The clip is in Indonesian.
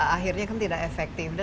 akhirnya tidak efektif